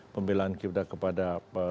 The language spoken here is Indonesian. pembelaan kita kepada dua ratus dua belas